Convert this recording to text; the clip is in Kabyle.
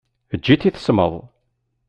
Eǧǧ-it i tesmeḍ.